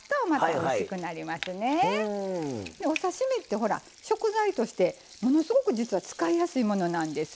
お刺身って食材としてものすごく実は使いやすいものなんです。